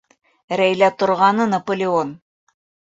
Рәйлә -торғаны Наполеон.